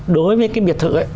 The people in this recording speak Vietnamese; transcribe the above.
đối với cái biệt thự ấy